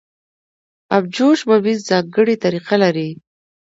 ابجوش ممیز ځانګړې طریقه لري.